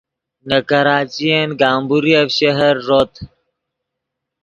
نے کراچین گمبوریف شہر ݱوت